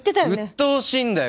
うっとうしいんだよ